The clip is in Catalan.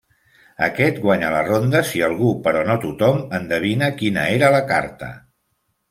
Aquest guanya la ronda si algú, però no tothom, endevina quina era la carta.